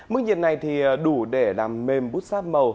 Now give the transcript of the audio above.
mức nhiệt này thì đủ để làm mềm bút sáp màu